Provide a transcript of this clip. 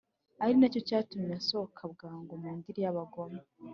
ari na cyo cyatumye asohoka bwangu mu ndiri y’abagome.